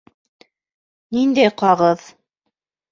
Ниндәй ҡағыҙ?